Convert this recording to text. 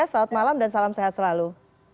selamat malam dan salam sehat selalu